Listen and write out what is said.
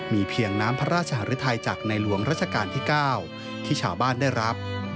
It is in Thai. มีเพียงน้ำพระราชหารุทัยจากในหลวงราชการที่๙ที่ชาวบ้านได้รับ